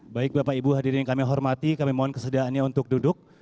baik bapak ibu hadirin yang kami hormati kami mohon kesediaannya untuk duduk